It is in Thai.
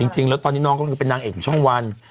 จริงแล้วตอนนี้น้องก็คือเป็นนางเอกอยู่ช่องวัน